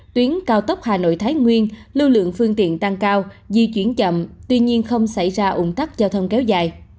tuyến cao tốc hà nội thái nguyên lưu lượng phương tiện tăng cao di chuyển chậm tuy nhiên không xảy ra ủng tắc giao thông kéo dài